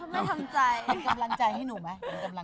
ไม่ทำใจกำลังใจให้หนูไหม